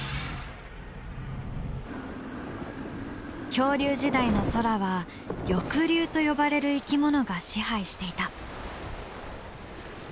恐竜時代の空は翼竜と呼ばれる生き物が支配していた。